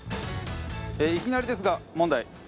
いきなりですが問題。